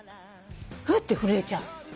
ふって震えちゃう。